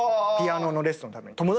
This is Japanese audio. ピアノのレッスンのために。